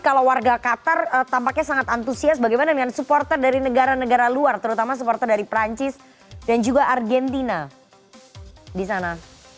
kalau warga qatar tampaknya sangat antusias bagaimana dengan supporter dari negara negara luar terutama supporter dari perancis dan juga argentina di sana